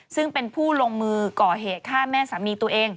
ซึ่งเป็นผู้ลงมือก่อเหตุฆ่าแม่สามีตัวเอง